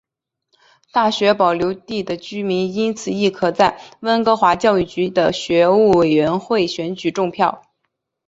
大学保留地的居民因此亦可在温哥华教育局的学务委员选举中投票。